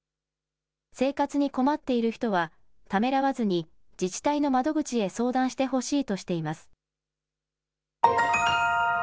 生活に困っている人は、ためらわずに自治体の窓口へ相談してほしいとしています。